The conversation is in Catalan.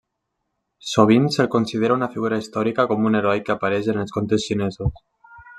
Sovint se'l considera una figura històrica com un heroi que apareix en els contes xinesos.